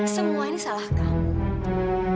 semua ini salah kamu